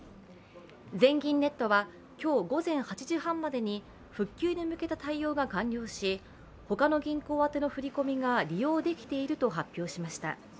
全銀ネットは今日午前８時半までに復旧に向けた対応が完了し他の銀行宛の振り込みが利用できていると発表しました。